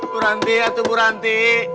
bu ranti atu bu ranti